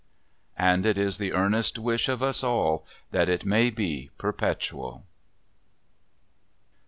And it is the earnest wish of us all that it may be perpetual.